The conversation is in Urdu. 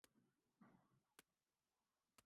کراچی سے خانپور تک ریلوے ٹریک کی بحالی کا منصوبہ مکمل